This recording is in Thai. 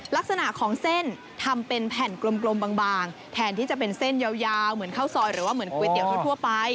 ลักษณะของเส้นทำเป็นแผ่นกลมบางแทนที่จะเป็นเส้นยาวเหมือนข้าวซอยหรือว่าเหมือนก๋วยเตี๋ยวทั่วไป